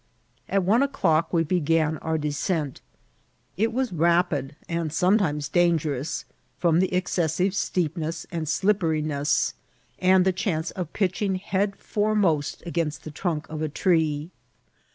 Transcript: At one o'clock we began our descent. It was rapid, and sometimes dangerous, firom the excessive steepness and slipperiness, and the chance of pitching head foremost against the trunk of a tree.